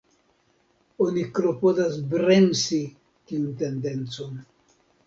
Oni klopodas bremsi tiun tendencon.